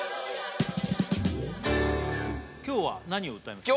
今日は何を歌いますか？